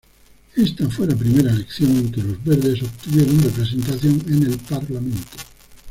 Esta fue la primera elección en que los verdes obtuvieron representación en el parlamento.